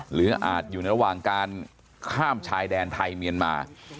อาจอยู่ระหว่างการข้ามชายแดนไทยเมียนมา